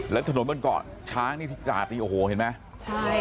และทะโน่นเบิ้ลเกาะช้างเนี้ยนี่จาดดีโอ้โหเห็นไหม